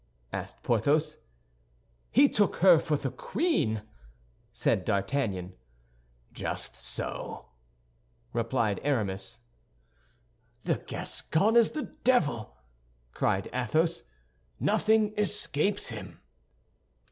asked Porthos. "He took her for the queen!" said D'Artagnan. "Just so," replied Aramis. "The Gascon is the devil!" cried Athos; "nothing escapes him."